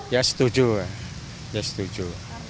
ya setuju ya setuju